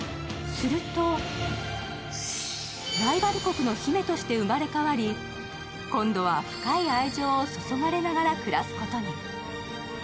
するとライバル国の姫として生まれ変わり今度は深い愛情を注がれながら暮らすことに。